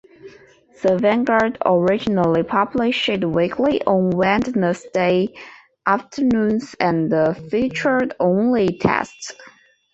The "Vanguard" originally published weekly on Wednesday afternoons and featured only text.